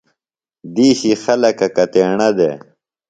دِیشی خلکہ کتیݨہ دےۡ؟